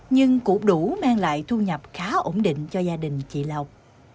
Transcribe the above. nhưng cũng đủ mang lại thu nhập khá ổn định cho gia đình chị lọc